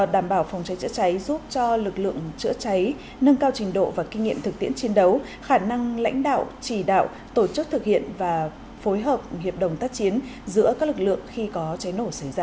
đảm bảo phòng cháy chữa cháy giúp cho lực lượng chữa cháy nâng cao trình độ và kinh nghiệm thực tiễn chiến đấu khả năng lãnh đạo chỉ đạo tổ chức thực hiện và phối hợp hiệp đồng tác chiến giữa các lực lượng khi có cháy nổ xảy ra